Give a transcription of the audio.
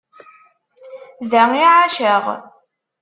Da i εaceɣ.